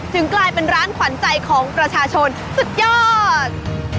ถึงกลายเป็นร้านขวัญใจของประชาชนสุดยอด